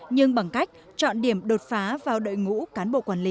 nhưng bằng cách chọn điểm đột phá vào đội ngũ cán bộ quản lý